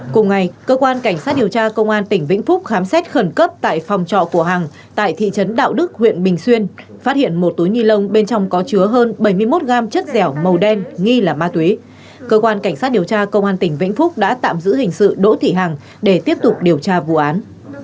cùng ngày cơ quan cảnh sát điều tra công an tỉnh vĩnh phúc khám xét khẩn cấp tại phòng trọ của hằng tại thị trấn đạo đức huyện bình xuyên phát hiện một túi ni lông bên trong có chứa hơn bảy mươi một gam chất dẻo màu đen nghi là ma túy cơ quan cảnh sát điều tra công an tỉnh vĩnh phúc đã tạm giữ hình sự đỗ thị hằng để tiếp tục điều tra vụ án